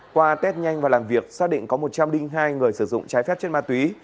qua test nhanh và làm việc xác định có một trăm linh hai người sử dụng trái phép chất ma túy